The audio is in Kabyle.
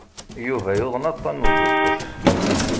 Yuba yuḍen aṭṭan n uduqqes.